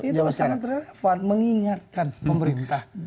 itu sangat relevan mengingatkan pemerintah